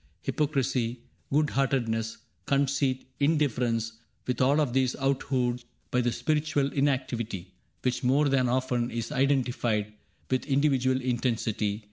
Hypocrisy, good heartedness, conceit, Indifference, — with all of these out hued By the spiritual inactivity Which more than often is identified With individual intensity.